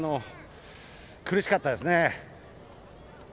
苦しかったですね。